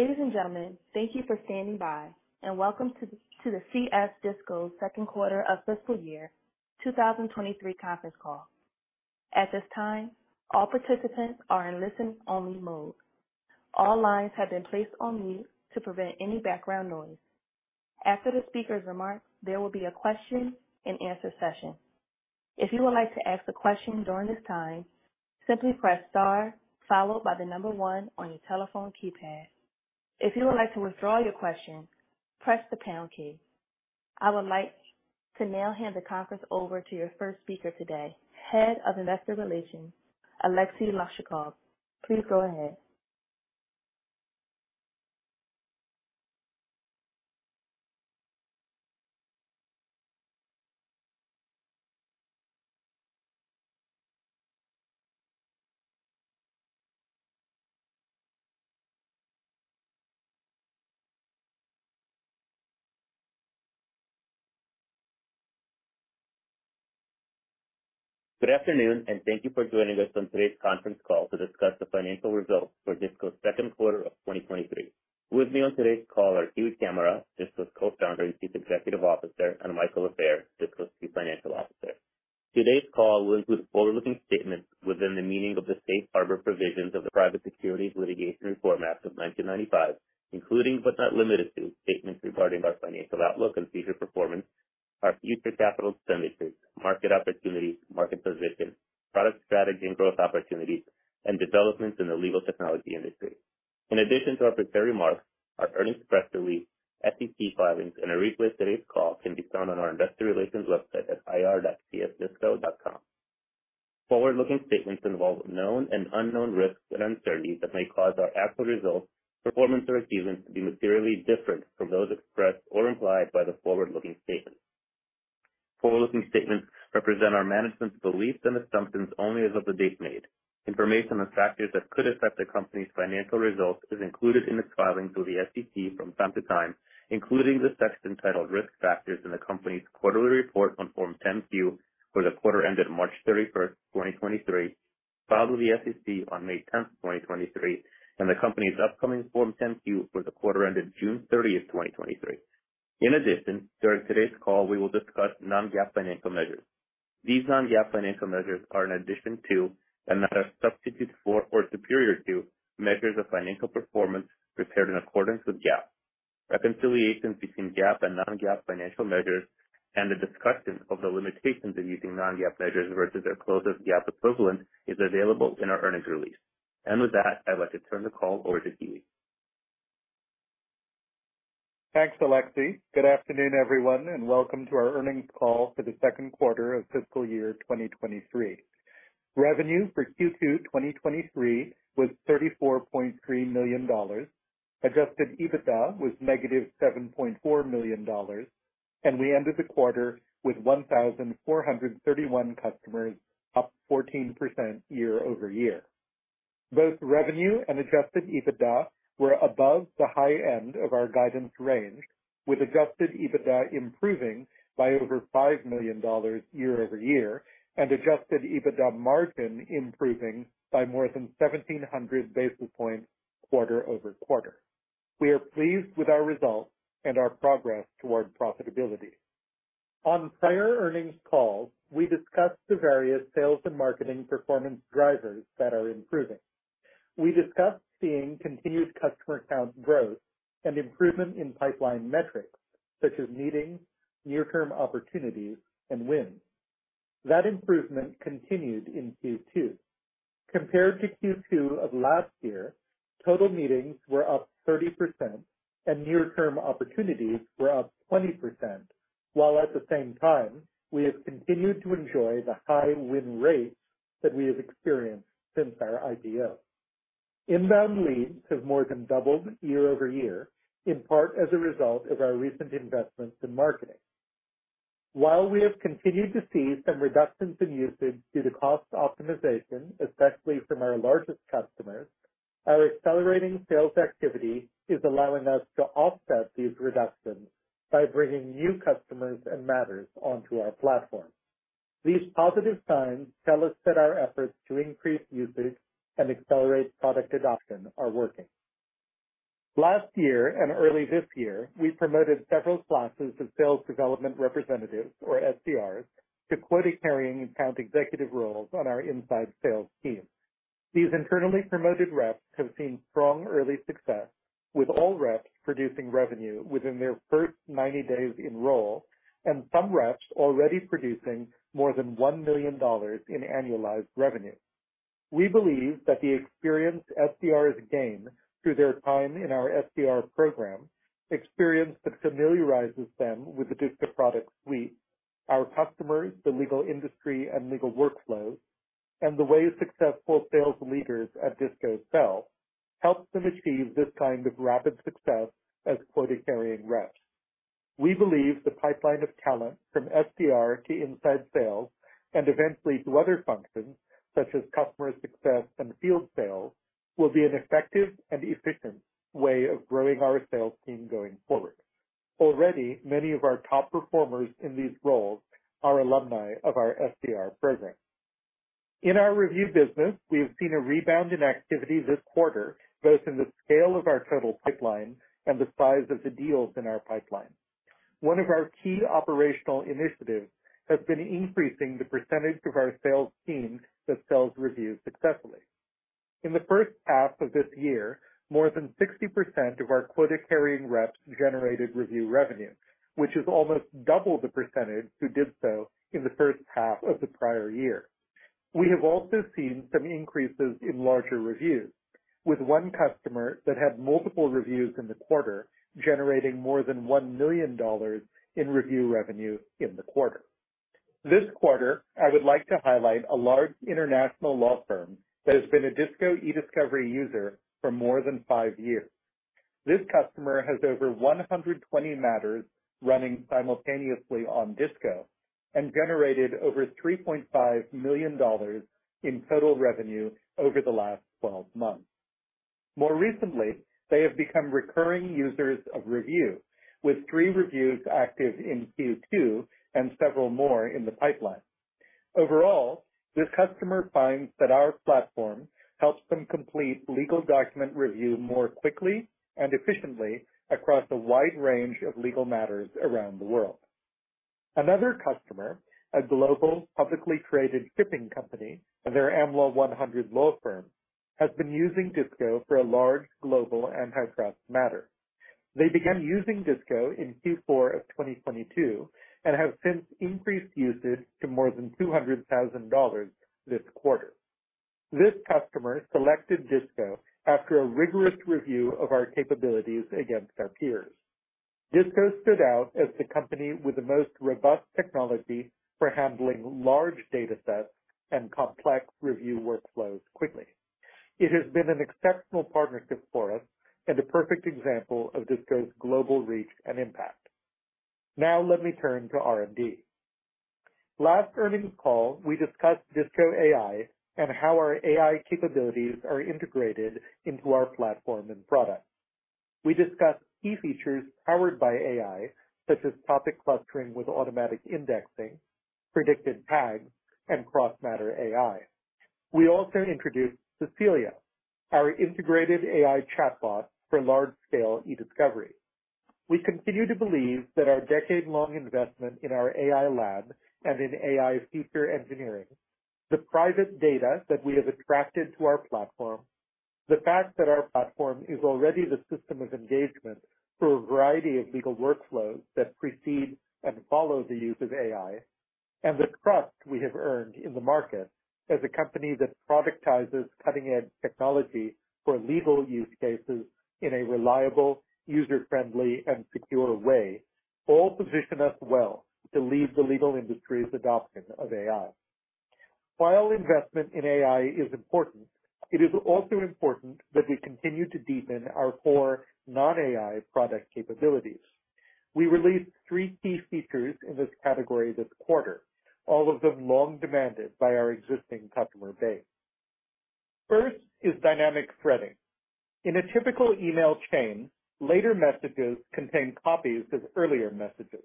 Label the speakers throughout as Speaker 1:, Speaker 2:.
Speaker 1: Ladies and gentlemen, thank you for standing by, welcome to the CS Disco second quarter of fiscal year 2023 conference call. At this time, all participants are in listen-only mode. All lines have been placed on mute to prevent any background noise. After the speaker's remarks, there will be a question-and-answer session. If you would like to ask a question during this time, simply press star followed by the 1 on your telephone keypad. If you would like to withdraw your question, press the pound key. I would like to now hand the conference over to your first speaker today, Head of Investor Relations, Aleksey Lakchakov. Please go ahead.
Speaker 2: Good afternoon, and thank you for joining us on today's conference call to discuss the financial results for DISCO's second quarter of 2023. With me on today's call are Kiwi Camara, DISCO's Co-Founder and Chief Executive Officer, and Michael Lafair, DISCO's Chief Financial Officer. Today's call will include forward-looking statements within the meaning of the Safe Harbor Provisions of the Private Securities Litigation Reform Act of 1995, including, but not limited to, statements regarding our financial outlook and future performance, our future capital expenditures, market opportunities, market position, product strategy and growth opportunities, and developments in the legal technology industry. In addition to our prepared remarks, our earnings press release, SEC filings, and a replay of today's call can be found on our investor relations website at ir.csdisco.com. Forward-looking statements involve known and unknown risks and uncertainties that may cause our actual results, performance or achievements to be materially different from those expressed or implied by the forward-looking statements. Forward-looking statements represent our management's beliefs and assumptions only as of the date made. Information on factors that could affect the company's financial results is included in its filings with the SEC from time to time, including the section titled Risk Factors in the company's quarterly report on Form 10-Q for the quarter ended March 31, 2023, filed with the SEC on May 10, 2023, and the company's upcoming Form 10-Q for the quarter ended June 30, 2023. In addition, during today's call, we will discuss non-GAAP financial measures. These non-GAAP financial measures are in addition to, and not a substitute for or superior to, measures of financial performance prepared in accordance with GAAP. Reconciliation between GAAP and non-GAAP financial measures and a discussion of the limitations of using non-GAAP measures versus their closest GAAP equivalent is available in our earnings release. With that, I'd like to turn the call over to Kiwi.
Speaker 3: Thanks, Aleksey. Good afternoon, everyone, and welcome to our earnings call for the second quarter of fiscal year 2023. Revenue for Q2 2023 was $34.3 million. Adjusted EBITDA was -$7.4 million, and we ended the quarter with 1,431 customers, up 14% year-over-year. Both revenue and Adjusted EBITDA were above the high end of our guidance range, with Adjusted EBITDA improving by over $5 million year-over-year and Adjusted EBITDA margin improving by more than 1,700 basis points quarter-over-quarter. We are pleased with our results and our progress toward profitability. On prior earnings calls, we discussed the various sales and marketing performance drivers that are improving. We discussed seeing continued customer count growth and improvement in pipeline metrics such as meetings, near-term opportunities, and wins. That improvement continued in Q2. Compared to Q2 of last year, total meetings were up 30% and near-term opportunities were up 20%, while at the same time, we have continued to enjoy the high win rates that we have experienced since our IPO. Inbound leads have more than doubled year-over-year, in part as a result of our recent investments in marketing. While we have continued to see some reductions in usage due to cost optimization, especially from our largest customers, our accelerating sales activity is allowing us to offset these reductions by bringing new customers and matters onto our platform. These positive signs tell us that our efforts to increase usage and accelerate product adoption are working. Last year and early this year, we promoted several classes of sales development representatives, or SDRs, to quota-carrying account executive roles on our inside sales team. These internally promoted reps have seen strong early success, with all reps producing revenue within their first 90 days in role, and some reps already producing more than $1 million in annualized revenue. We believe that the experienced SDRs gain through their time in our SDR program, experience that familiarizes them with the DISCO product suite, our customers, the legal industry and legal workflows, and the way successful sales leaders at DISCO sell, helps them achieve this kind of rapid success as quota-carrying reps. We believe the pipeline of talent from SDR to inside sales, and eventually to other functions such as customer success and field sales, will be an effective and efficient way of growing our sales team going forward. Already, many of our top performers in these roles are alumni of our SDR program.... In our review business, we have seen a rebound in activity this quarter, both in the scale of our total pipeline and the size of the deals in our pipeline. One of our key operational initiatives has been increasing the percentage of our sales team that sells review successfully. In the first half of this year, more than 60% of our quota-carrying reps generated review revenue, which is almost double the percentage who did so in the first half of the prior year. We have also seen some increases in larger reviews, with one customer that had multiple reviews in the quarter, generating more than $1 million in review revenue in the quarter. This quarter, I would like to highlight a large international law firm that has been a DISCO Ediscovery user for more than five years. This customer has over 120 matters running simultaneously on DISCO and generated over $3.5 million in total revenue over the last 12 months. More recently, they have become recurring users of review, with 3 reviews active in Q2 and several more in the pipeline. Overall, this customer finds that our platform helps them complete legal document review more quickly and efficiently across a wide range of legal matters around the world. Another customer, a global, publicly traded shipping company, and their Am Law 100 law firm, has been using DISCO for a large global antitrust matter. They began using DISCO in Q4 of 2022 and have since increased usage to more than $200,000 this quarter. This customer selected DISCO after a rigorous review of our capabilities against our peers. DISCO stood out as the company with the most robust technology for handling large data sets and complex review workflows quickly. It has been an exceptional partnership for us and a perfect example of DISCO's global reach and impact. Now let me turn to R&D. Last earnings call, we discussed DISCO AI and how our AI capabilities are integrated into our platform and product. We discussed key features powered by AI, such as Topic Clustering with automatic indexing, Predicted Tags, and Cross-Matter AI. We also introduced Cecilia, our integrated AI chatbot for large-scale e-discovery. We continue to believe that our decade-long investment in our AI lab and in AI feature engineering, the private data that we have attracted to our platform, the fact that our platform is already the system of engagement for a variety of legal workflows that precede and follow the use of AI, and the trust we have earned in the market as a company that productizes cutting-edge technology for legal use cases in a reliable, user-friendly, and secure way, all position us well to lead the legal industry's adoption of AI. While investment in AI is important, it is also important that we continue to deepen our core non-AI product capabilities. We released three key features in this category this quarter, all of them long demanded by our existing customer base. First is Dynamic Threading. In a typical email chain, later messages contain copies of earlier messages.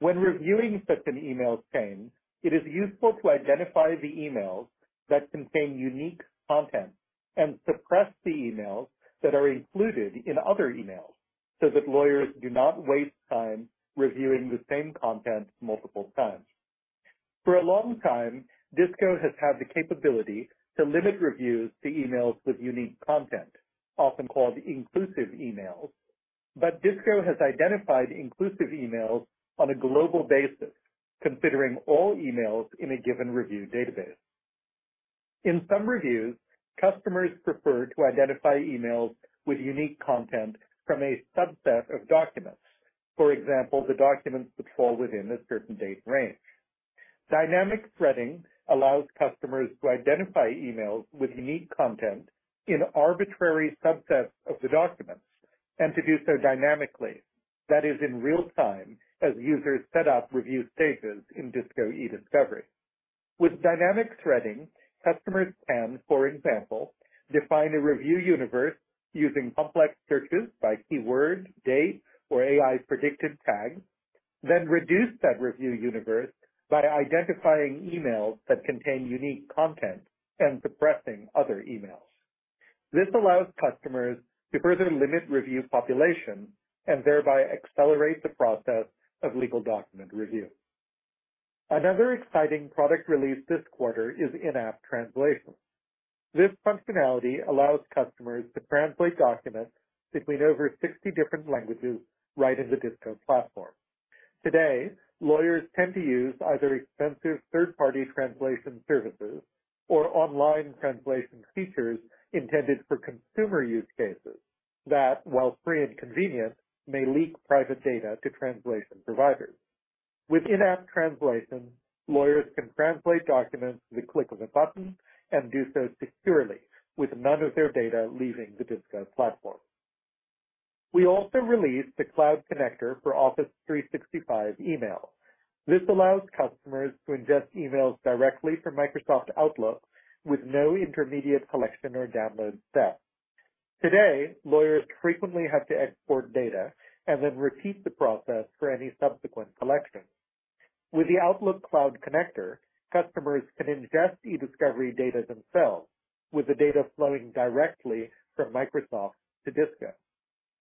Speaker 3: When reviewing such an email chain, it is useful to identify the emails that contain unique content and suppress the emails that are included in other emails, so that lawyers do not waste time reviewing the same content multiple times. For a long time, DISCO has had the capability to limit reviews to emails with unique content, often called inclusive emails. DISCO has identified inclusive emails on a global basis, considering all emails in a given review database. In some reviews, customers prefer to identify emails with unique content from a subset of documents. For example, the documents that fall within a certain date range. Dynamic threading allows customers to identify emails with unique content in arbitrary subsets of the documents and to do so dynamically. That is, in real time, as users set up review stages in DISCO Ediscovery. With Dynamic Threading, customers can, for example, define a review universe using complex searches by keyword, date, or Predicted Tags, then reduce that review universe by identifying emails that contain unique content and suppressing other emails. This allows customers to further limit review population and thereby accelerate the process of legal document review. Another exciting product release this quarter is in-app translation. This functionality allows customers to translate documents between over 60 different languages right in the DISCO platform. Today, lawyers tend to use either expensive third-party translation services or online translation features intended for consumer use cases that, while free and convenient, may leak private data to translation providers. With in-app translation, lawyers can translate documents with the click of a button and do so securely, with none of their data leaving the DISCO platform. We also released the Cloud Connector for Office 365 email. This allows customers to ingest emails directly from Microsoft Outlook with no intermediate collection or download step. Today, lawyers frequently have to export data and then repeat the process for any subsequent collection. With the Outlook Cloud Connector, customers can ingest e-discovery data themselves, with the data flowing directly from Microsoft to DISCO.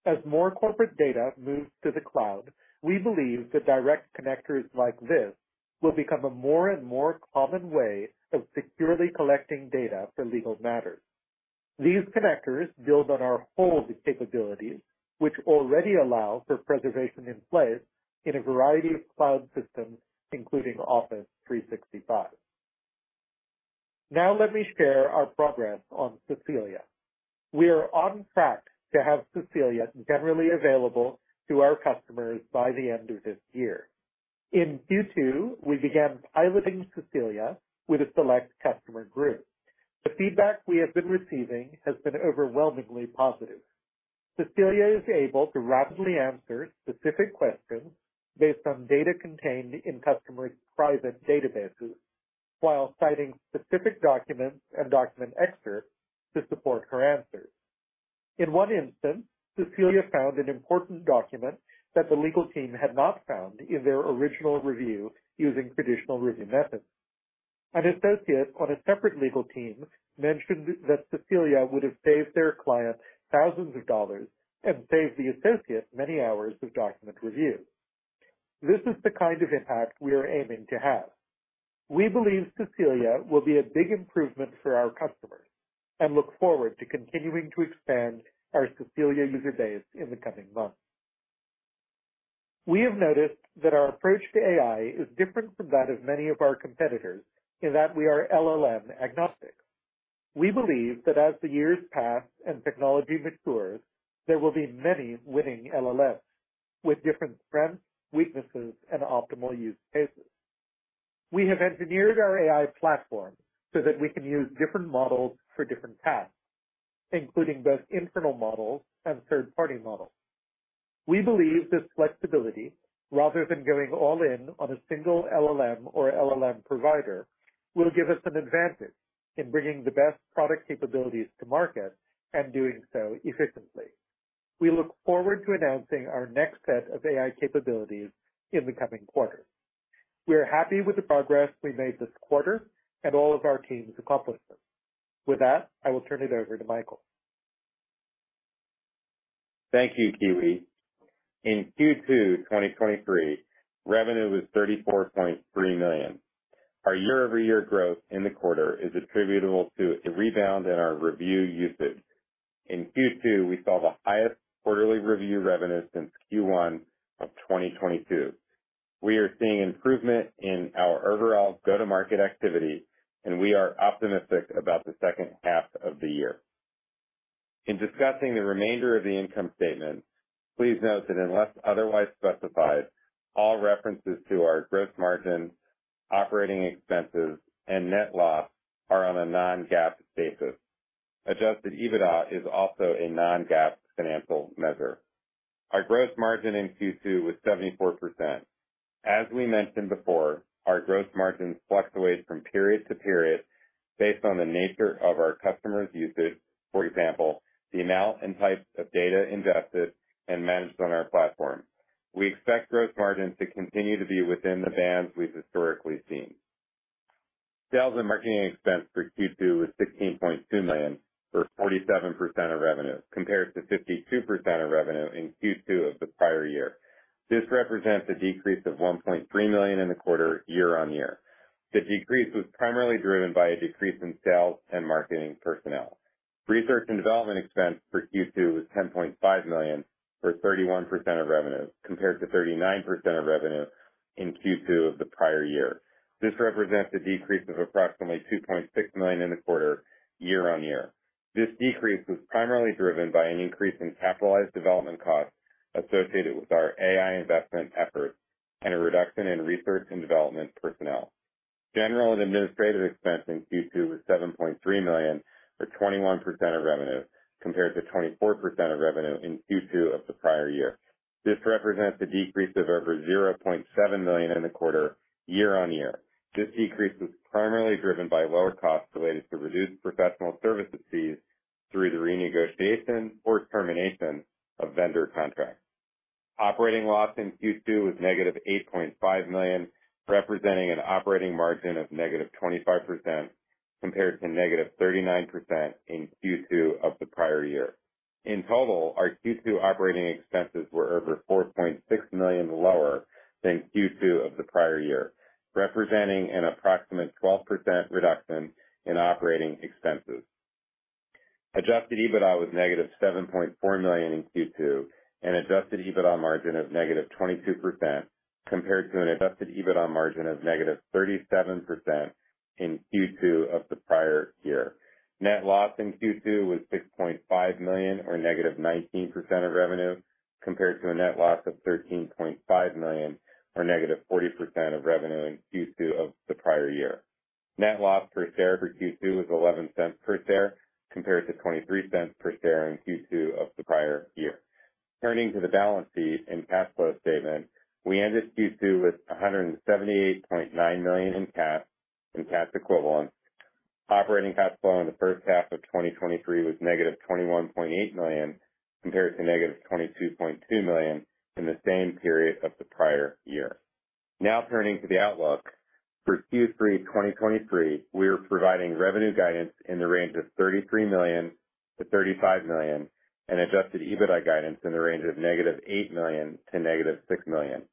Speaker 3: As more corporate data moves to the cloud, we believe that direct connectors like this will become a more and more common way of securely collecting data for legal matters. These connectors build on our whole capabilities, which already allow for preservation in place in a variety of cloud systems, including Office 365. Let me share our progress on Cecilia. We are on track to have Cecilia generally available to our customers by the end of this year. In Q2, we began piloting Cecilia with a select customer group. The feedback we have been receiving has been overwhelmingly positive. Cecilia is able to rapidly answer specific questions based on data contained in customers' private databases, while citing specific documents and document excerpts to support her answers. In one instance, Cecilia found an important document that the legal team had not found in their original review using traditional review methods. An associate on a separate legal team mentioned that Cecilia would have saved their client thousands of dollars and saved the associate many hours of document review. This is the kind of impact we are aiming to have. We believe Cecilia will be a big improvement for our customers and look forward to continuing to expand our Cecilia user base in the coming months. We have noticed that our approach to AI is different from that of many of our competitors, in that we are LLM agnostic. We believe that as the years pass and technology matures, there will be many winning LLMs with different strengths, weaknesses, and optimal use cases. We have engineered our AI platform so that we can use different models for different tasks, including both internal models and third-party models. We believe this flexibility, rather than going all in on a single LLM or LLM provider, will give us an advantage in bringing the best product capabilities to market and doing so efficiently. We look forward to announcing our next set of AI capabilities in the coming quarters. We are happy with the progress we made this quarter and all of our team's accomplishments. With that, I will turn it over to Michael.
Speaker 4: Thank you, Kiwi. In Q2, 2023, revenue was $34.3 million. Our year-over-year growth in the quarter is attributable to a rebound in our review usage. In Q2, we saw the highest quarterly review revenue since Q1 of 2022. We are seeing improvement in our overall go-to-market activity. We are optimistic about the second half of the year. In discussing the remainder of the income statement, please note that unless otherwise specified, all references to our gross margin, operating expenses, and net loss are on a non-GAAP basis. Adjusted EBITDA is also a non-GAAP financial measure. Our gross margin in Q2 was 74%. As we mentioned before, our gross margins fluctuate from period to period based on the nature of our customers' usage, for example, the amount and type of data ingested and managed on our platform. We expect gross margins to continue to be within the bands we've historically seen. Sales and marketing expense for Q2 was $16.2 million, or 47% of revenue, compared to 52% of revenue in Q2 of the prior year. This represents a decrease of $1.3 million in the quarter year-on-year. The decrease was primarily driven by a decrease in sales and marketing personnel. Research and development expense for Q2 was $10.5 million, or 31% of revenue, compared to 39% of revenue in Q2 of the prior year. This represents a decrease of approximately $2.6 million in the quarter year-on-year. This decrease was primarily driven by an increase in capitalized development costs associated with our AI investment efforts and a reduction in research and development personnel. General and administrative expense in Q2 was $7.3 million, or 21% of revenue, compared to 24% of revenue in Q2 of the prior year. This represents a decrease of over $0.7 million in the quarter year-over-year. This decrease was primarily driven by lower costs related to reduced professional services fees through the renegotiation or termination of vendor contracts. Operating loss in Q2 was negative $8.5 million, representing an operating margin of negative 25%, compared to negative 39% in Q2 of the prior year. In total, our Q2 operating expenses were over $4.6 million lower than Q2 of the prior year, representing an approximate 12% reduction in operating expenses. Adjusted EBITDA was -$7.4 million in Q2. Adjusted EBITDA margin of -22%, compared to an Adjusted EBITDA margin of -37% in Q2 of the prior year. Net loss in Q2 was $6.5 million, or -19% of revenue, compared to a net loss of $13.5 million, or -40% of revenue in Q2 of the prior year. Net loss per share for Q2 was $0.11 per share, compared to $0.23 per share in Q2 of the prior year. Turning to the balance sheet and cash flow statement, we ended Q2 with $178.9 million in cash and cash equivalents. Operating cash flow in the first half of 2023 was -$21.8 million, compared to -$22.2 million in the same period of the prior year. Turning to the outlook. For Q3 2023, we are providing revenue guidance in the range of $33 million-$35 million and Adjusted EBITDA guidance in the range of negative $8 million to negative $6 million.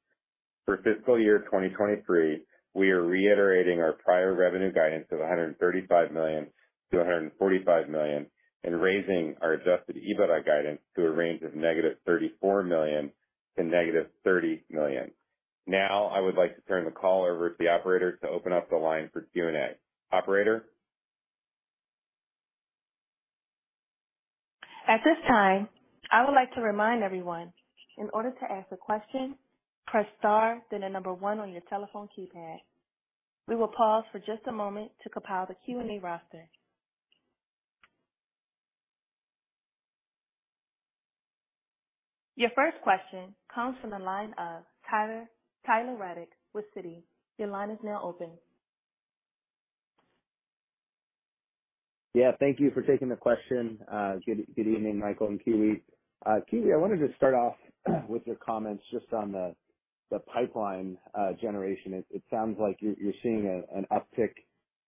Speaker 4: For fiscal year 2023, we are reiterating our prior revenue guidance of $135 million-$145 million, and raising our Adjusted EBITDA guidance to a range of negative $34 million to negative $30 million. Now, I would like to turn the call over to the operator to open up the line for Q&A. Operator?
Speaker 1: At this time, I would like to remind everyone, in order to ask a question, press star, then the number one on your telephone keypad. We will pause for just a moment to compile the Q&A roster. Your first question comes from the line of Tyler, Tyler Radke with Citi. Your line is now open.
Speaker 5: Yeah, thank you for taking the question. Good evening, Michael and Kiwi. Kiwi, I wanted to start off with your comments just on the pipeline generation. It sounds like you're seeing an uptick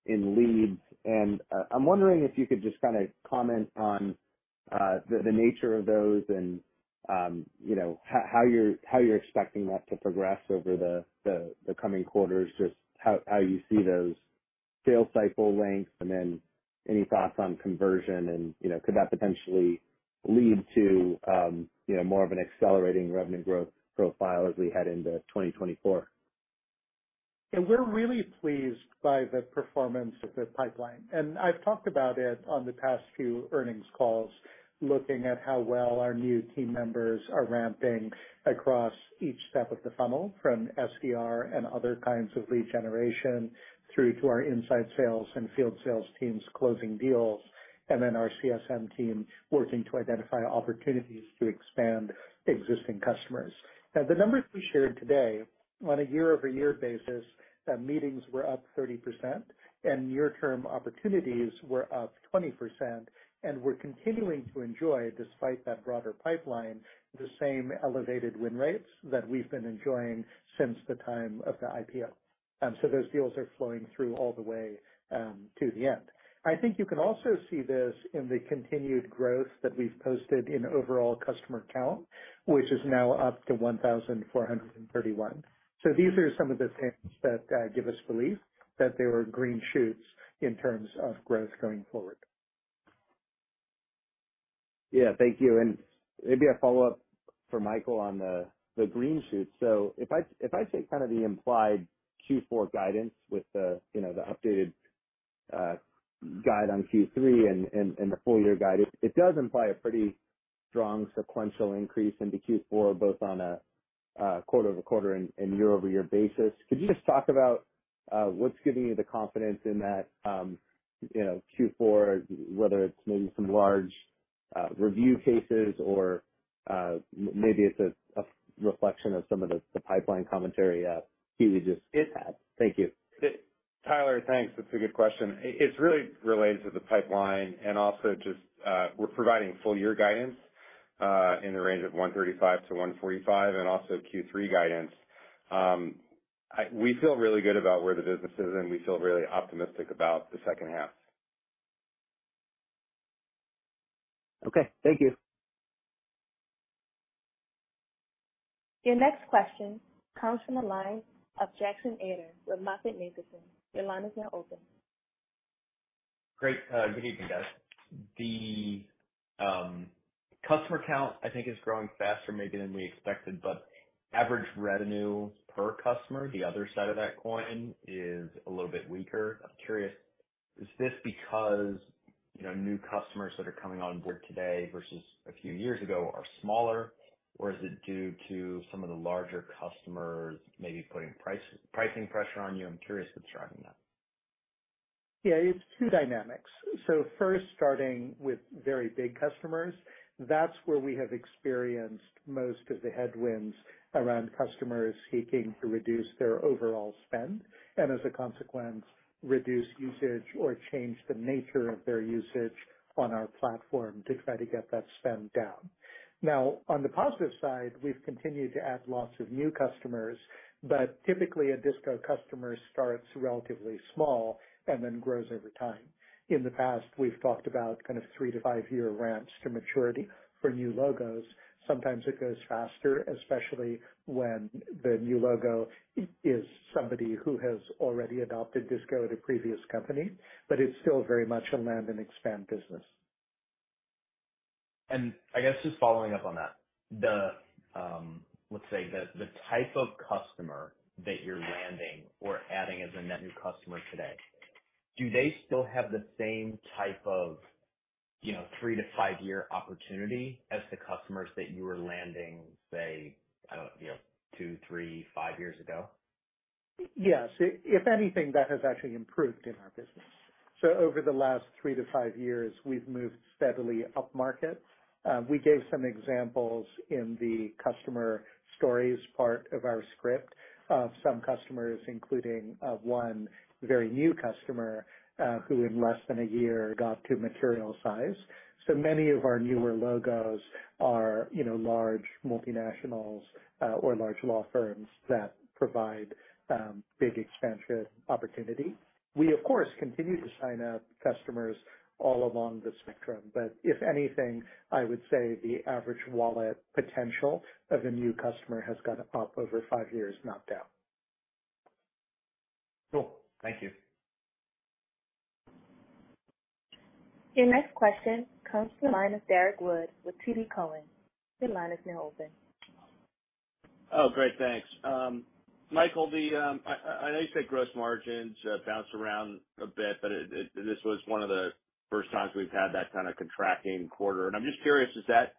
Speaker 5: in leads, and I'm wondering if you could just kind of comment on the nature of those and, you know, how you're expecting that to progress over the coming quarters, just how you see those sales cycle lengths, and then any thoughts on conversion and, you know, could that potentially lead to more of an accelerating revenue growth profile as we head into 2024?
Speaker 3: Yeah, we're really pleased by the performance of the pipeline. I've talked about it on the past few earnings calls, looking at how well our new team members are ramping across each step of the funnel, from SDR and other kinds of lead generation, through to our inside sales and field sales teams closing deals, and then our CSM team working to identify opportunities to expand existing customers. Now, the numbers we shared today on a year-over-year basis, that meetings were up 30% and near-term opportunities were up 20%. We're continuing to enjoy, despite that broader pipeline, the same elevated win rates that we've been enjoying since the time of the IPO. Those deals are flowing through all the way to the end. I think you can also see this in the continued growth that we've posted in overall customer count, which is now up to 1,431. These are some of the things that, give us belief that there are green shoots in terms of growth going forward.
Speaker 5: Yeah, thank you. Maybe a follow-up for Michael on the, the green shoot. If I, if I take kind of the implied Q4 guidance with the, you know, the updated guide on Q3 and, and, and the full year guide, it, it does imply a pretty strong sequential increase into Q4, both on a quarter-over-quarter and year-over-year basis. Could you just talk about what's giving you the confidence in that, you know, Q4, whether it's maybe some large review cases or maybe it's a reflection of some of the pipeline commentary Kiwi just had. Thank you.
Speaker 4: Tyler, thanks. That's a good question. It's really related to the pipeline and also just, we're providing full year guidance in the range of $135 million-$145 million, and also Q3 guidance. We feel really good about where the business is, and we feel really optimistic about the second half.
Speaker 5: Okay, thank you.
Speaker 1: Your next question comes from the line of Jackson Ader with MoffettNathanson. Your line is now open.
Speaker 6: Great. good evening, guys. The customer count, I think, is growing faster maybe than we expected. Average revenue per customer, the other side of that coin, is a little bit weaker. I'm curious, is this because, you know, new customers that are coming on board today versus a few years ago are smaller, or is it due to some of the larger customers maybe putting price- pricing pressure on you? I'm curious what's driving that.
Speaker 3: Yeah, it's 2 dynamics. First, starting with very big customers, that's where we have experienced most of the headwinds around customers seeking to reduce their overall spend and as a consequence, reduce usage or change the nature of their usage on our platform to try to get that spend down. On the positive side, we've continued to add lots of new customers, but typically, a DISCO customer starts relatively small and then grows over time. In the past, we've talked about kind of 3-5-year ramps to maturity for new logos. Sometimes it goes faster, especially when the new logo is somebody who has already adopted DISCO at a previous company, but it's still very much a land and expand business.
Speaker 6: I guess just following up on that, the, let's say the, the type of customer that you're landing or adding as a net new customer today, do they still have the same type of, you know, three to five-year opportunity as the customers that you were landing, say, I don't... You know, two, three, five years ago?
Speaker 3: Yes, if, if anything, that has actually improved in our business. Over the last 3 to 5 years, we've moved steadily upmarket. We gave some examples in the customer stories part of our script. Some customers, including 1 very new customer, who in less than a year got to material size. Many of our newer logos are, you know, large multinationals, or large law firms that provide big expansion opportunity. We, of course, continue to sign up customers all along the spectrum, but if anything, I would say the average wallet potential of a new customer has gone up over 5 years, not down.
Speaker 6: Cool. Thank you.
Speaker 1: Your next question comes from the line of Derrick Wood with TD Cowen. Your line is now open.
Speaker 7: Oh, great. Thanks. Michael, the, I know you said gross margins bounce around a bit, but it, this was one of the first times we've had that kind of contracting quarter. I'm just curious, is that,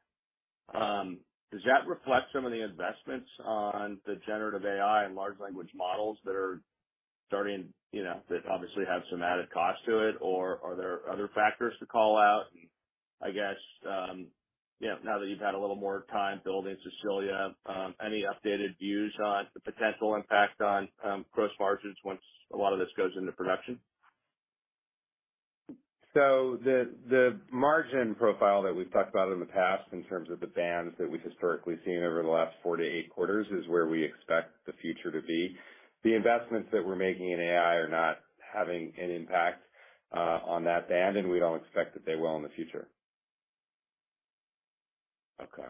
Speaker 7: does that reflect some of the investments on the generative AI and large language models that are starting, you know, that obviously have some added cost to it? Or are there other factors to call out? I guess, you know, now that you've had a little more time building Cecilia, any updated views on the potential impact on gross margins once a lot of this goes into production?
Speaker 4: The, the margin profile that we've talked about in the past in terms of the bands that we've historically seen over the last 4-8 quarters, is where we expect the future to be. The investments that we're making in AI are not having an impact on that band, and we don't expect that they will in the future.
Speaker 7: Okay.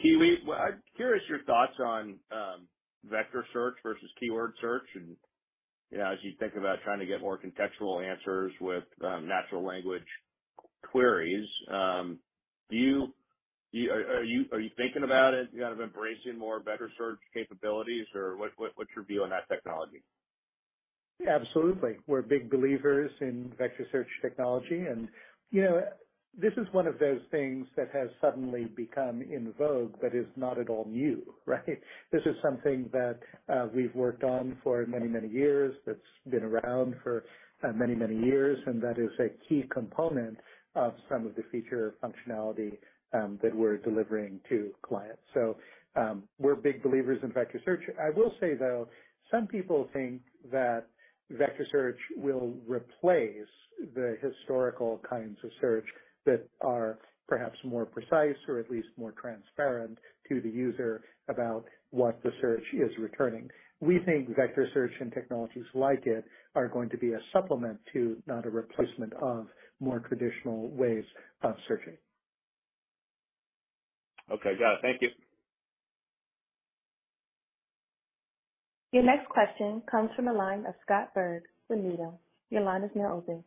Speaker 7: Kiwi, I'm curious your thoughts on vector search versus keyword search. And, you know, as you think about trying to get more contextual answers with natural language queries, do you -- are, are you, are you thinking about it, kind of embracing more vector search capabilities, or what, what, what's your view on that technology?
Speaker 3: Yeah, absolutely. We're big believers in vector search technology, and, you know, this is one of those things that has suddenly become in vogue but is not at all new, right? This is something that we've worked on for many, many years, that's been around for many, many years, and that is a key component of some of the feature functionality that we're delivering to clients. We're big believers in vector search. I will say, though, some people think that vector search will replace the historical kinds of search that are perhaps more precise or at least more transparent to the user about what the search is returning. We think vector search and technologies like it are going to be a supplement to, not a replacement of, more traditional ways of searching.
Speaker 7: Okay, got it. Thank you.
Speaker 1: Your next question comes from the line of Scott Berg with Needham & Company. Your line is now open.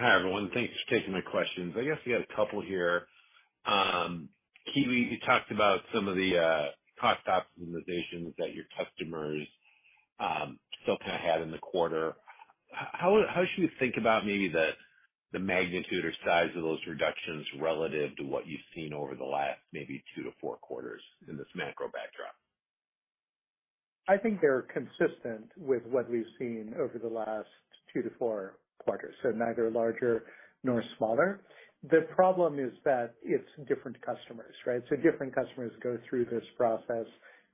Speaker 8: Hi, everyone. Thanks for taking my questions. I guess you had a couple here. Kiwi, you talked about some of the cost optimizations that your customers still kind of had in the quarter. How should you think about maybe the magnitude or size of those reductions relative to what you've seen over the last maybe two to four quarters in this macro backdrop?
Speaker 3: I think they're consistent with what we've seen over the last 2 to 4 quarters, neither larger nor smaller. The problem is that it's different customers, right? Different customers go through this process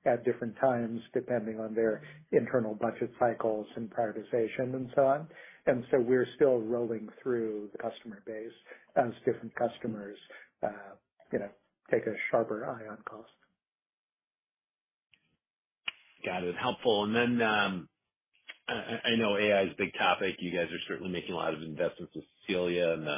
Speaker 3: at different times, depending on their internal budget cycles and prioritization and so on. We're still rolling through the customer base as different customers, you know, take a sharper eye on cost.
Speaker 8: Got it. Helpful. Then, I know AI is a big topic. You guys are certainly making a lot of investments with Cecilia and the,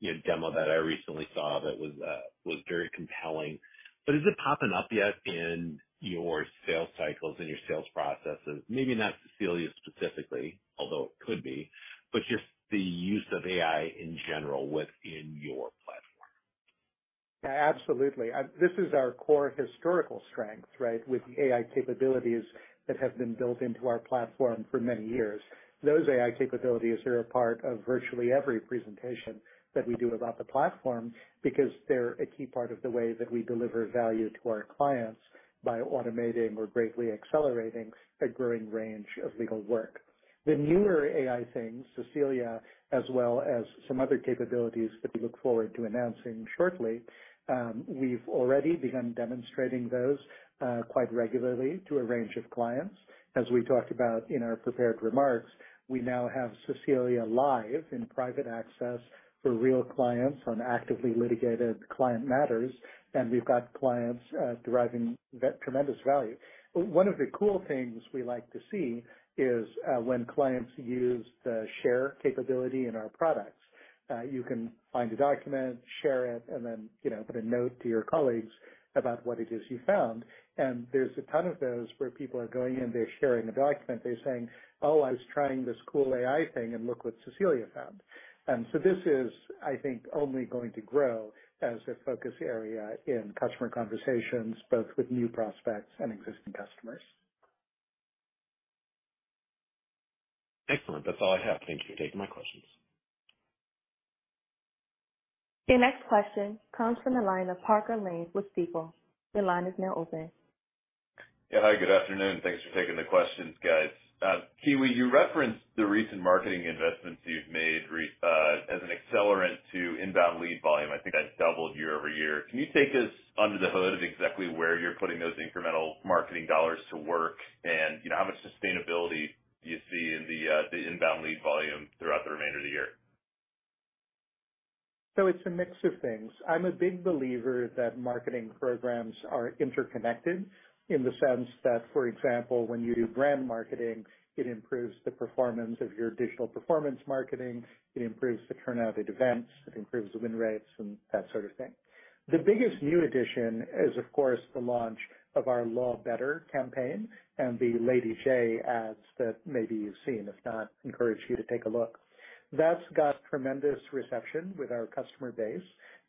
Speaker 8: you know, demo that I recently saw that was very compelling. But is it popping up yet in your sales cycles and your sales processes? Maybe not Cecilia specifically, although it could be, but just the use of AI in general within your platform.
Speaker 3: Yeah, absolutely. This is our core historical strength, right? With the AI capabilities that have been built into our platform for many years. Those AI capabilities are a part of virtually every presentation that we do about the platform, because they're a key part of the way that we deliver value to our clients by automating or greatly accelerating a growing range of legal work. The newer AI things, Cecilia, as well as some other capabilities that we look forward to announcing shortly, we've already begun demonstrating those quite regularly to a range of clients. As we talked about in our prepared remarks, we now have Cecilia Live in private access for real clients on actively litigated client matters, and we've got clients deriving tremendous value. One of the cool things we like to see is when clients use the share capability in our products. You can find a document, share it, and then, you know, put a note to your colleagues about what it is you found. There's a ton of those where people are going in, they're sharing a document, they're saying: "Oh, I was trying this cool AI thing and look what Cecilia found." So this is, I think, only going to grow as a focus area in customer conversations, both with new prospects and existing customers.
Speaker 8: Excellent. That's all I have. Thank you for taking my questions.
Speaker 1: Your next question comes from the line of Parker Lane with Stifel. Your line is now open.
Speaker 9: Yeah. Hi, good afternoon. Thanks for taking the questions, guys. Kiwi, you referenced the recent marketing investments you've made re- as an accelerant to inbound lead volume. I think that's doubled year-over-year. Can you take us under the hood of exactly where you're putting those incremental marketing dollars to work? You know, how much sustainability do you see in the, the inbound lead volume throughout the remainder of the year?
Speaker 3: It's a mix of things. I'm a big believer that marketing programs are interconnected in the sense that, for example, when you do brand marketing, it improves the performance of your digital performance marketing, it improves the turnout at events, it improves win rates and that sort of thing. The biggest new addition is, of course, the launch of our Law Better campaign and the Lady Justice ads that maybe you've seen. If not, I encourage you to take a look. That's got tremendous reception with our customer base.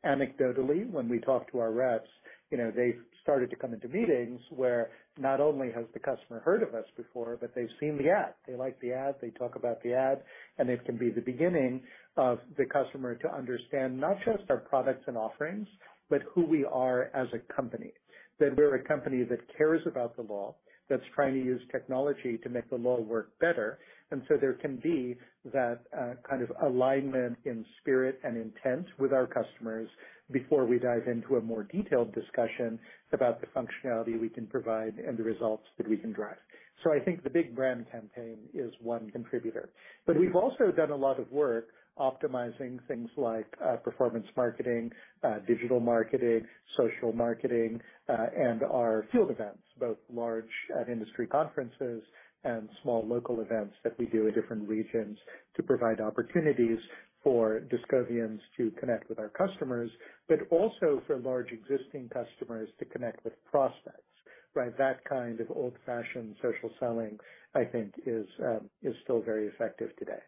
Speaker 3: Anecdotally, when we talk to our reps, you know, they've started to come into meetings where not only has the customer heard of us before, but they've seen the ad, they like the ad, they talk about the ad, and it can be the beginning of the customer to understand not just our products and offerings, but who we are as a company. That we're a company that cares about the law, that's trying to use technology to make the law work better. There can be that kind of alignment in spirit and intent with our customers before we dive into a more detailed discussion about the functionality we can provide and the results that we can drive. I think the big brand campaign is one contributor. We've also done a lot of work optimizing things like, performance marketing, digital marketing, social marketing, and our field events, both large at industry conferences and small local events that we do in different regions, to provide opportunities for Discovians to connect with our customers, but also for large existing customers to connect with prospects, right? That kind of old-fashioned social selling, I think is, still very effective today.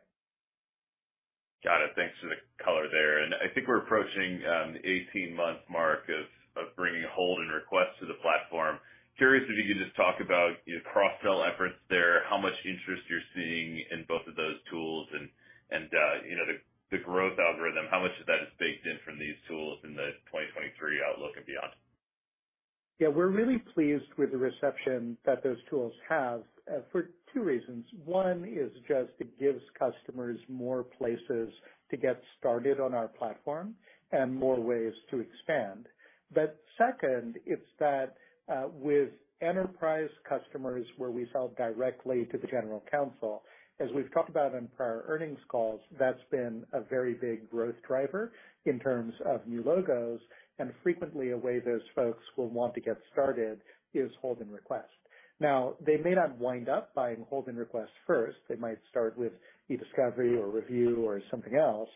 Speaker 9: Got it. Thanks for the color there. I think we're approaching the 18-month mark of bringing Hold and Request to the platform. Curious if you can just talk about your cross-sell efforts there, how much interest you're seeing in both of those tools, you know, the growth algorithm, how much of that is baked in from these tools in the 2023 outlook and beyond?
Speaker 3: Yeah, we're really pleased with the reception that those tools have for two reasons. One is just it gives customers more places to get started on our platform and more ways to expand. But second, it's that with enterprise customers, where we sell directly to the general counsel, as we've talked about on prior earnings calls, that's been a very big growth driver in terms of new logos, and frequently, a way those folks will want to get started is Hold and Request. Now, they may not wind up buying Hold and Request first. They might start with e-discovery or review or something else.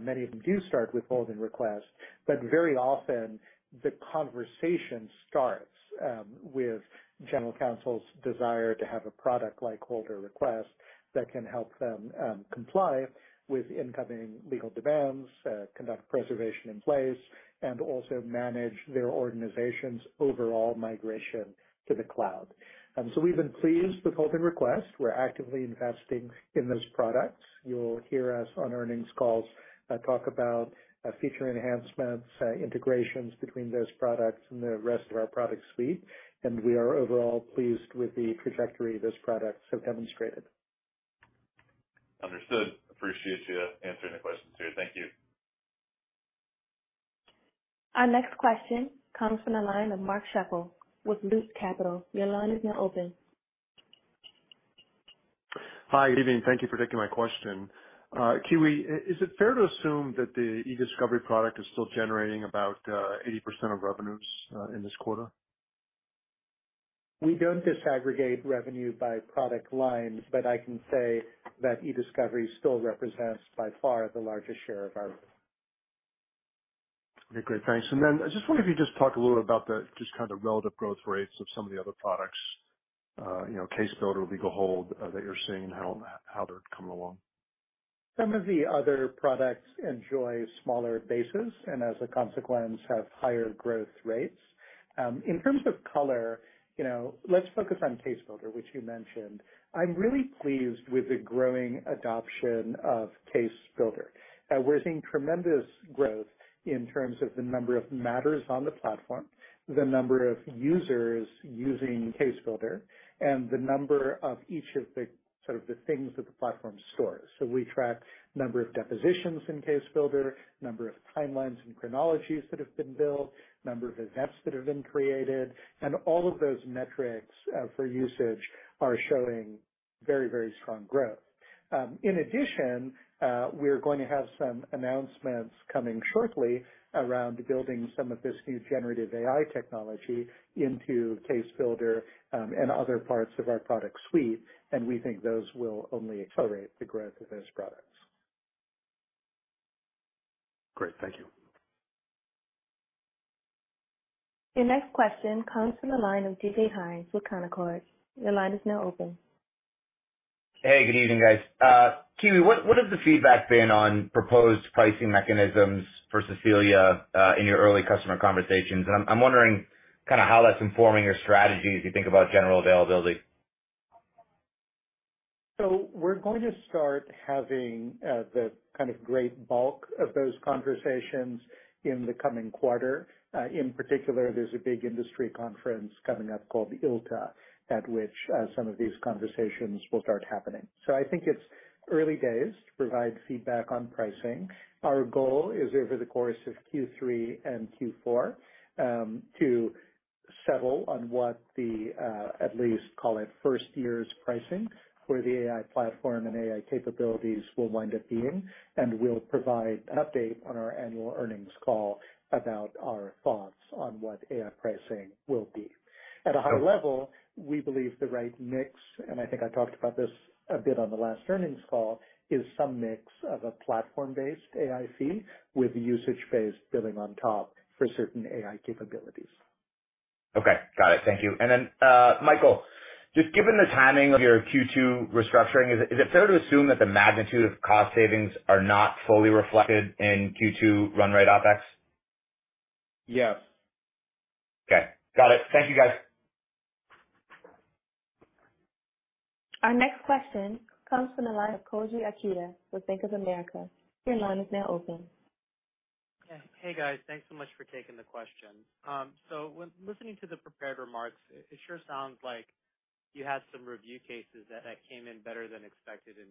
Speaker 3: Many of them do start with Hold and Request, but very often the conversation starts with general counsel's desire to have a product like Hold or Request that can help them comply with incoming legal demands, conduct preservation in place, and also manage their organization's overall migration to the cloud. We've been pleased with Hold and Request. We're actively investing in those products. You'll hear us on earnings calls, talk about feature enhancements, integrations between those products and the rest of our product suite, and we are overall pleased with the trajectory those products have demonstrated.
Speaker 9: Understood. Appreciate you answering the questions here. Thank you.
Speaker 1: Our next question comes from the line of Mark Schappel with Loop Capital. Your line is now open.
Speaker 10: Hi, good evening. Thank you for taking my question. Kiwi, is it fair to assume that the e-discovery product is still generating about 80% of revenues in this quarter?
Speaker 3: We don't disaggregate revenue by product line, but I can say that e-discovery still represents by far the largest share of our business.
Speaker 10: Okay, great. Thanks. Then I just wonder if you could just talk a little about the just kind of relative growth rates of some of the other products, you know, Case Builder, DISCO Hold, that you're seeing and how they're coming along?
Speaker 3: Some of the other products enjoy smaller bases and as a consequence, have higher growth rates. In terms of color, you know, let's focus on Case Builder, which you mentioned. I'm really pleased with the growing adoption of Case Builder. We're seeing tremendous growth in terms of the number of matters on the platform, the number of users using Case Builder, and the number of each of the sort of the things that the platform stores. We track number of depositions in Case Builder, number of timelines and chronologies that have been built, number of events that have been created, all of those metrics for usage are showing very, very strong growth. In addition, we're going to have some announcements coming shortly around building some of this new generative AI technology into CaseBuilder and other parts of our product suite. We think those will only accelerate the growth of those products.
Speaker 10: Great. Thank you.
Speaker 1: Your next question comes from the line of DJ Hynes with Canaccord Genuity. Your line is now open.
Speaker 11: Hey, good evening, guys. Kiwi, what, what has the feedback been on proposed pricing mechanisms for Cecilia, in your early customer conversations? I'm, I'm wondering kind of how that's informing your strategy as you think about general availability.
Speaker 3: We're going to start having the kind of great bulk of those conversations in the coming quarter. In particular, there's a big industry conference coming up called ILTA, at which some of these conversations will start happening. I think it's early days to provide feedback on pricing. Our goal is over the course of Q3 and Q4 to settle on what the, at least call it, first year's pricing for the AI platform and AI capabilities will wind up being, and we'll provide an update on our annual earnings call about our thoughts on what AI pricing will be. At a high level, we believe the right mix, and I think I talked about this a bit on the last earnings call, is some mix of a platform-based AI fee with usage-based billing on top for certain AI capabilities.
Speaker 11: Okay, got it. Thank you. Michael, just given the timing of your Q2 restructuring, is it fair to assume that the magnitude of cost savings are not fully reflected in Q2 run rate OpEx?
Speaker 3: Yes.
Speaker 11: Okay, got it. Thank you, guys.
Speaker 1: Our next question comes from the line of Koji Ikeda with Bank of America. Your line is now open.
Speaker 12: Hey, guys, thanks so much for taking the question. When listening to the prepared remarks, it sure sounds like you had some review cases that, that came in better than expected in,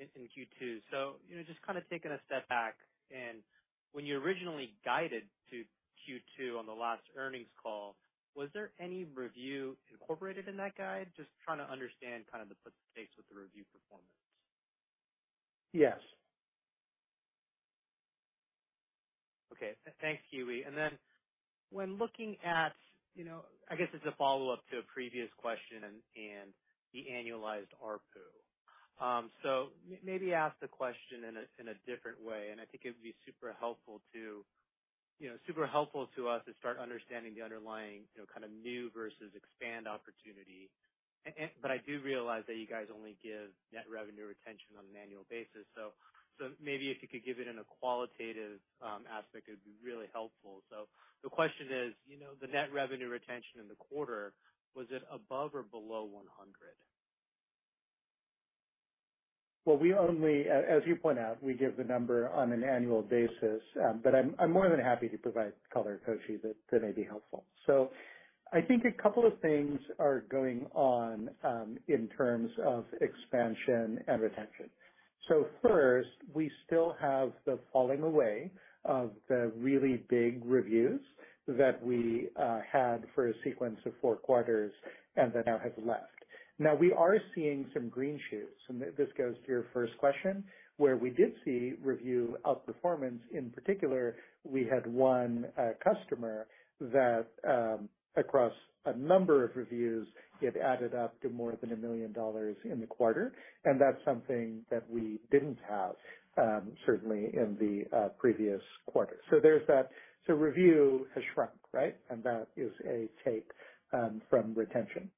Speaker 12: in Q2. You know, just kind of taking a step back, and when you originally guided to Q2 on the last earnings call, was there any review incorporated in that guide? Just trying to understand kind of the stakes with the review performance.
Speaker 3: Yes.
Speaker 12: Okay, thanks, Kivi. When looking at, you know, I guess as a follow-up to a previous question and, and the annualized ARPU. Maybe ask the question in a, in a different way, and I think it would be super helpful to, you know, super helpful to us to start understanding the underlying, you know, kind of new versus expand opportunity. I do realize that you guys only give net revenue retention on an annual basis. Maybe if you could give it in a qualitative aspect, it would be really helpful. The question is, you know, the net revenue retention in the quarter, was it above or below 100?
Speaker 3: Well, we only, as you point out, we give the number on an annual basis. I'm, I'm more than happy to provide color, Koji, that, that may be helpful. I think a couple of things are going on, in terms of expansion and retention. First, we still have the falling away of the really big reviews that we had for a sequence of 4 quarters and that now have left. Now, we are seeing some green shoots, and this goes to your first question, where we did see review outperformance. In particular, we had 1 customer that, across a number of reviews, it added up to more than $1 million in the quarter, and that's something that we didn't have, certainly in the previous quarters. There's that. Review has shrunk, right? That is a take from retention.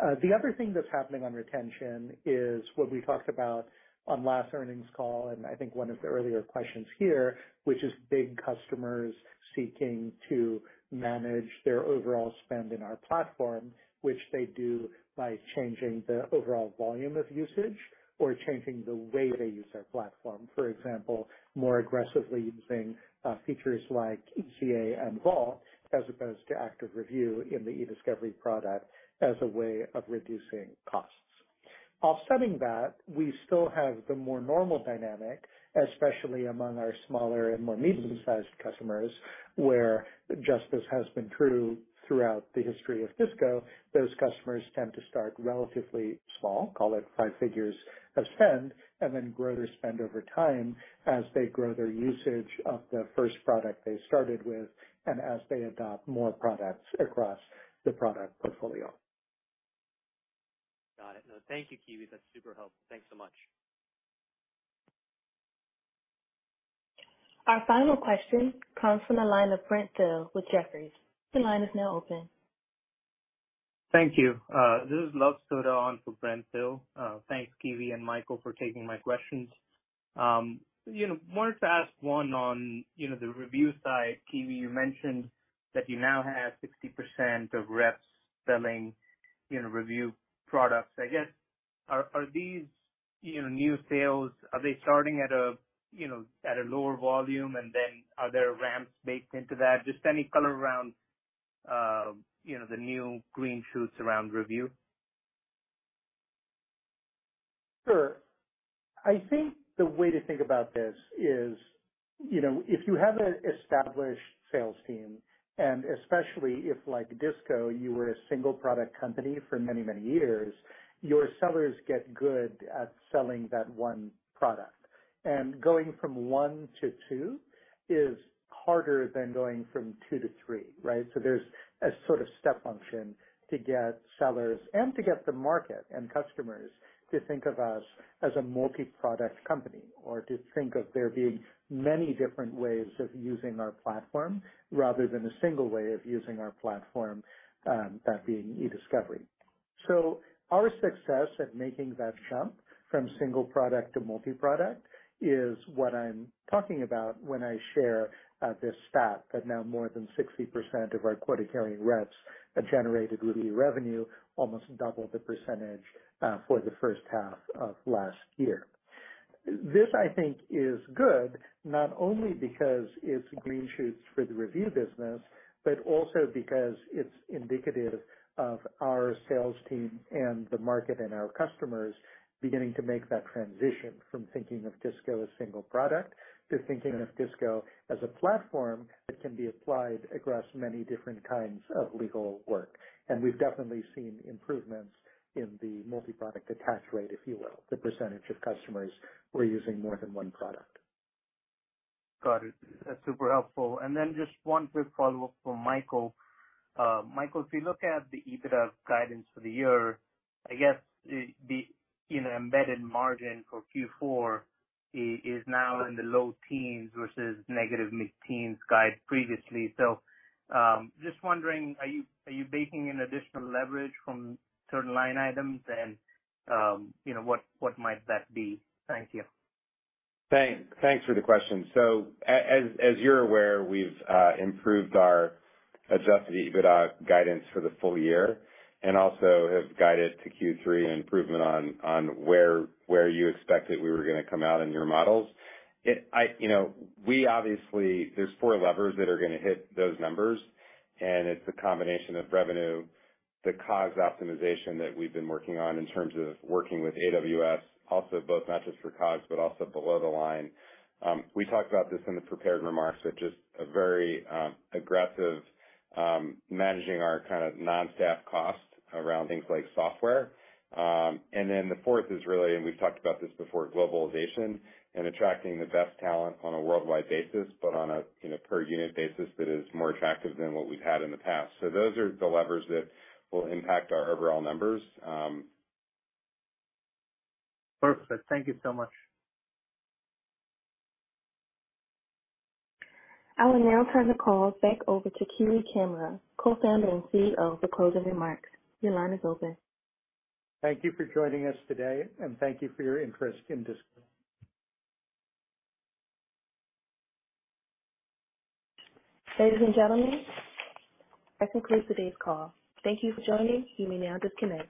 Speaker 3: The other thing that's happening on retention is what we talked about on last earnings call, and I think one of the earlier questions here, which is big customers seeking to manage their overall spend in our platform, which they do by changing the overall volume of usage or changing the way they use our platform. For example, more aggressively using features like ECA and Vault as opposed to active review in the e-discovery product as a way of reducing costs. Offsetting that, we still have the more normal dynamic, especially among our smaller and more medium-sized customers, where just this has been true throughout the history of CS Disco. Those customers tend to start relatively small, call it 5 figures of spend, and then grow their spend over time as they grow their usage of the first product they started with, and as they adopt more products across the product portfolio.
Speaker 12: Got it. No, thank you, Kiwi. That's super helpful. Thanks so much.
Speaker 1: Our final question comes from the line of Brent Thill with Jefferies. Your line is now open.
Speaker 13: Thank you. This is Luv Sodha on for Brent Thill. Thanks, Kivi and Michael, for taking my questions. You know, wanted to ask one on, you know, the review side. Kivi, you mentioned that you now have 60% of reps selling, you know, review products. I guess, are, are these, you know, new sales, are they starting at a, you know, at a lower volume, and then are there ramps baked into that? Just any color around, you know, the new green shoots around review.
Speaker 3: Sure. I think the way to think about this is, you know, if you have an established sales team, and especially if, like DISCO, you were a single product company for many, many years, your sellers get good at selling that one product, and going from one to two is harder than going from two to three, right? So there's a sort of step function to get sellers and to get the market and customers to think of us as a multi-product company, or to think of there being many different ways of using our platform, rather than a single way of using our platform, that being e-discovery. Our success at making that jump from single product to multi-product is what I'm talking about when I share, this stat, that now more than 60% of our quota-carrying reps have generated legal revenue, almost double the percentage, for the first half of last year. This, I think, is good, not only because it's green shoots for the review business, but also because it's indicative of our sales team and the market and our customers beginning to make that transition from thinking of DISCO as single product to thinking of DISCO as a platform that can be applied across many different kinds of legal work. We've definitely seen improvements in the multi-product attach rate, if you will, the percentage of customers who are using more than one product.
Speaker 13: Got it. That's super helpful. Then just one quick follow-up for Michael. Michael, if you look at the EBITDA guidance for the year, I guess, the, you know, embedded margin for Q4 is, is now in the low teens versus negative mid-teens guide previously. Just wondering, are you, are you baking in additional leverage from certain line items? You know, what, what might that be? Thank you.
Speaker 4: Thanks. Thanks for the question. As, as you're aware, we've improved our Adjusted EBITDA guidance for the full year and also have guided to Q3 an improvement on, on where, where you expected we were going to come out in your models. I, you know, we obviously, there's four levers that are going to hit those numbers, and it's a combination of revenue, the COGS optimization that we've been working on in terms of working with AWS, also both not just for COGS, but also below the line. We talked about this in the prepared remarks, but just a very aggressive managing our kind of non-staff costs around things like software. Then the fourth is really, and we've talked about this before, globalization and attracting the best talent on a worldwide basis, but on a, you know, per unit basis that is more attractive than what we've had in the past. Those are the levers that will impact our overall numbers.
Speaker 13: Perfect. Thank you so much.
Speaker 1: I will now turn the call back over to Kiwi Camara, Co-Founder and CEO, for closing remarks. Your line is open.
Speaker 3: Thank you for joining us today, and thank you for your interest in DISCO.
Speaker 1: Ladies and gentlemen, that concludes today's call. Thank you for joining. You may now disconnect.